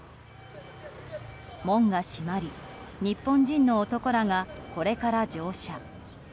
門が閉まり、日本人の男らがこれから乗車。